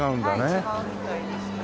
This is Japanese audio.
違うみたいですね。